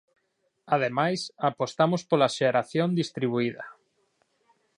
Ademais, apostamos pola xeración distribuída.